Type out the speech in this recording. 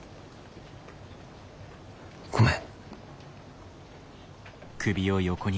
ごめん。